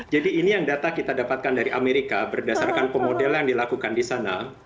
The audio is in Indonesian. jadi ini yang data kita dapatkan dari amerika berdasarkan pemodel yang dilakukan di sana